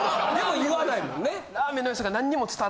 言わないもんね。